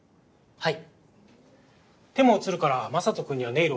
はい。